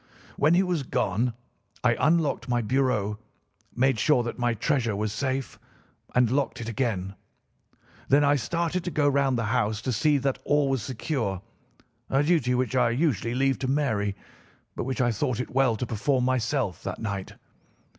"When he was gone I unlocked my bureau, made sure that my treasure was safe, and locked it again. Then I started to go round the house to see that all was secure—a duty which I usually leave to Mary but which I thought it well to perform myself that night.